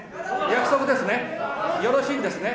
約束ですね？